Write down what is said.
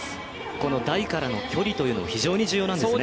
この台からの距離というのも非常に重要なんですね。